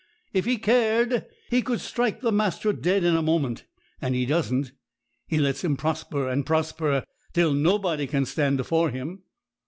If He cared, He could strike the master dead in a moment, and He doesn't. He lets him prosper and prosper, till nobody can stand afore him.